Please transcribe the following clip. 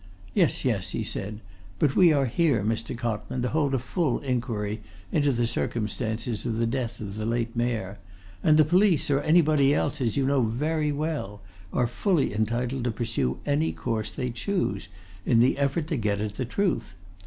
"Yes, yes!" he said. "But we are here, Mr. Cotman, to hold a full inquiry into the circumstances of the death of the late Mayor, and the police, or anybody else, as you know very well, are fully entitled to pursue any course they choose in the effort to get at the truth.